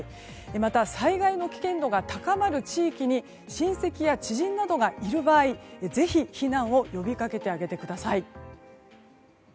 また災害の危険度が高まる地域に親戚や知人などがいる場合ぜひ避難を呼び掛けてあげてください。